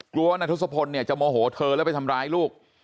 กลัวว่านายทศพลเนี่ยจะโมโหเธอแล้วไปทำร้ายลูก